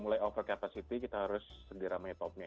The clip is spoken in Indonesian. kalau misalnya sudah mulai over capacity kita harus sederamanya topnya ini